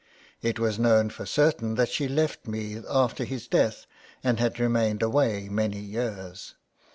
It was known for certain that she left Meath after his death, and had remained away many years.